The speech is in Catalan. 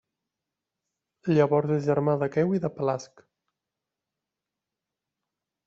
Llavors és germà d'Aqueu i de Pelasg.